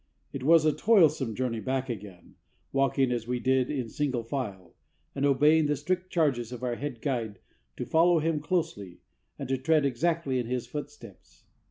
It was a toilsome journey back again, walking as we did in single file, and obeying the strict charges of our head guide to follow him closely, and to tread exactly in his footsteps.